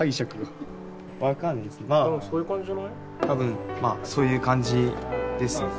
多分まあそういう感じです。